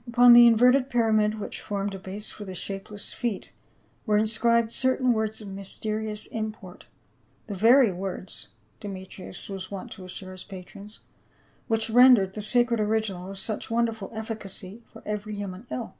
Upon the inverted pyramid which formed a base for the shapeless feet were inscribed certain words of mysterious import. ' The very words,' De metrius was wont to assure his patrons, ' which ren dered the sacred original of such wonderful efficacy for every human ill.'